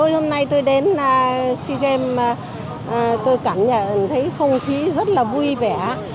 hôm nay tôi đến sea games tôi cảm nhận thấy không khí rất là vui vẻ